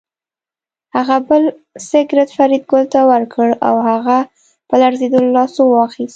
هغه بل سګرټ فریدګل ته ورکړ او هغه په لړزېدلو لاسونو واخیست